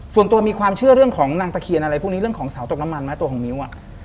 ส่วนตัวมีความเชื่อเรื่องของนางตะเคียนอะไรพวกนี้เรื่องของเสาตกน้ำมันไหมตัวของมิ้ว